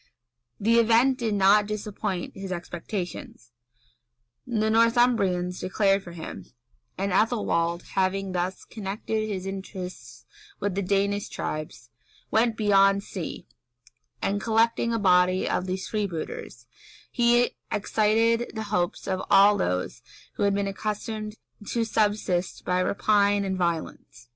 The event did not disappoint his expectations: the Northumbrians declared for him,[] and Ethelwald, having thus connected his interests with the Danish tribes, went beyond sea, and collecting a body of these freebooters, he excited the hopes of all those who had been accustomed to subsist by rapine and violence.